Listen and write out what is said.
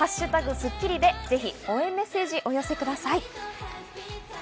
「＃スッキリ」でぜひ応援メッセージをお寄せください。